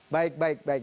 baik baik baik